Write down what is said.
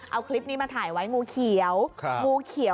เอาคลิปนี้มาถ่ายไว้งูเขียวงูเขียว